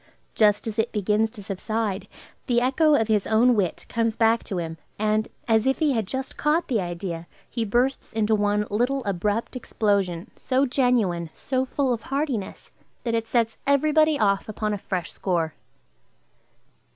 Just as it begins to subside, the echo of his own wit comes back to him, and, as if he had just caught the idea, he bursts into one little abrupt explosion, so genuine, so full of heartiness, that it sets every body off upon a fresh score.